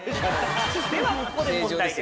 ではここで問題です。